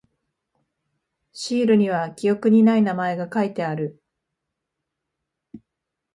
シールには記憶にない名前が書いてある。